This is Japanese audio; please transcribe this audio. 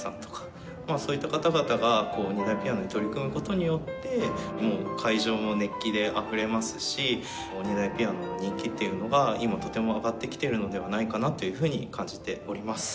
そういった方々が２台ピアノに取り組む事によってもう会場も熱気であふれますし２台ピアノの人気っていうのが今とても上がってきてるのではないかなというふうに感じております。